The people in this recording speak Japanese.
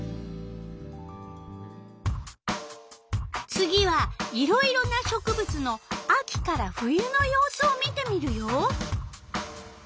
次はいろいろな植物の秋から冬の様子を見てみるよ。